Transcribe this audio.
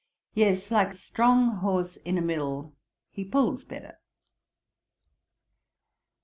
'Yes, like a strong horse in a mill; he pulls better.'